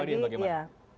ya satu lagi ya